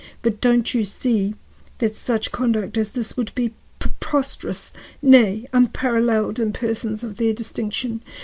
But don't you see that such conduct as this would be preposterous, nay, unparalleled in persons of their distinction?